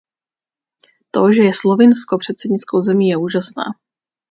To, že je Slovinsko předsednickou zemí, je úžasné.